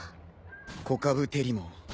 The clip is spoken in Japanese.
コカブテリモン。